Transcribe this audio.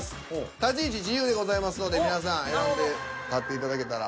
立ち位置自由でございますので皆さん選んで立っていただけたら。